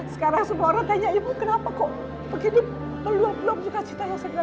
sekarang semua orang tanya ibu kenapa kok begini meluap luap juga cita cita saya